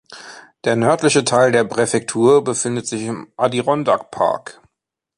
Der nördliche Teil der Präfektur befindet sich im Adirondack Park.